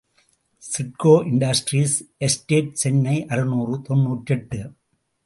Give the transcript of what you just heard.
SIDCO industrial estate, Chennai அறுநூறு தொன்னூற்றெட்டு.